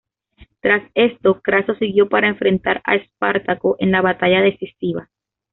Tras esto Craso siguió para enfrentar a Espartaco en la batalla decisiva.